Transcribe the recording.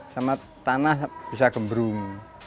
sama tanah bisa gembrung